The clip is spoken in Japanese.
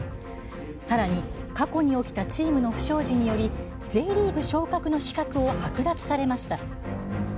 さらに、過去に起きたチームの不祥事によりＪリーグ昇格の資格を剥奪されました。